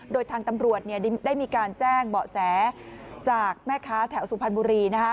โดยทางตำรวจได้มีการแจ้งเบาะแสจากแม่ค้าแถวสุพรรณบุรี